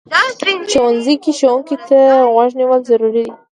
ښوونځی کې ښوونکي ته غوږ نیول ضروري دي